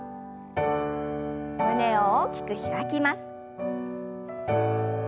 胸を大きく開きます。